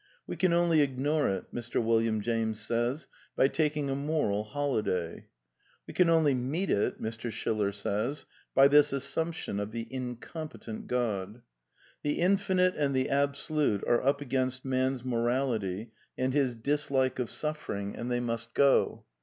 We can only ignore it, Mr. William James says, by ^^ taking a moral holiday.'' We can only meet it, Mr. Schiller says, by this ^^ ^assumption of the incompetent God. The Infinite and the Absolute are up against man's morality and his dis like of suffering, and they must go.